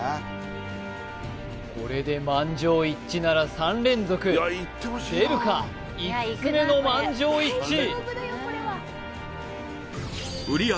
これで満場一致なら３連続出るか５つ目の満場一致売上